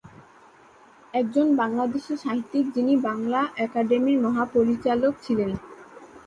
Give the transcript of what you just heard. একজন বাংলাদেশি সাহিত্যিক যিনি বাংলা একাডেমির মহাপরিচালক ছিলেন।